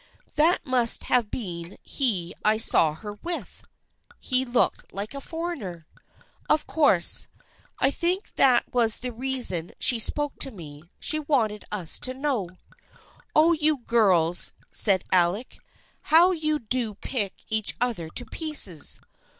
" That must have been he I saw with her ! He looked like a foreigner." " Of course. I think that was the reason she spoke to me. She wanted us to know it." " Oh, you girls !" said Alec. " How you do pick each other to pieces."